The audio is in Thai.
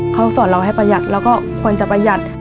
เขาสอนเราให้ประหยัดแล้วก็ควรจะประหยัด